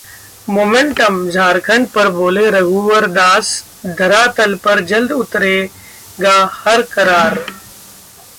momentum Jharkhand पर बोले रघुवर दास- धरातल पर जल्द उतरेगा हर करार